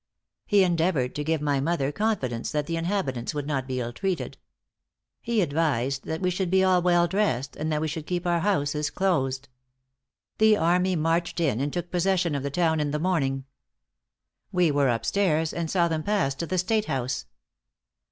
He endeavored to give my mother confidence that the inhabitants would not be ill treated. He advised that we should be all well dressed, and that we should keep our houses closed. The army marched in, and took possession of the town in the morning. We were up stairs, and saw them pass to the State House.